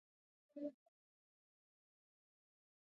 ازادي راډیو د سوله د تحول لړۍ تعقیب کړې.